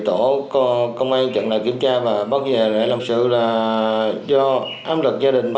tôi có công an chặn lại kiểm tra và bắt về để làm sự là do ám lực gia đình